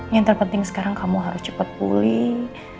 yang terpenting sekarang kamu harus cepat pulih